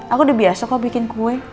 aku udah biasa kok bikin kue